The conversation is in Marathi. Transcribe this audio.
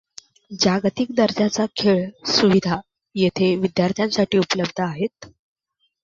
जागतिक दर्जाच्या खेळ सुविधा येथे विद्यार्थ्यांसाठी उपलब्ध आहेत.